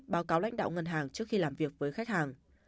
báo cáo lãnh đạo ngân hàng trước khi làm việc với khách hàng